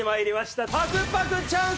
パクパクチャンス！